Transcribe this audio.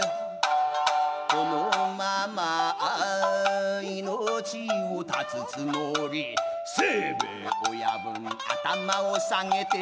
「このまま命を絶つつもり」「清兵衛親分頭を下げて」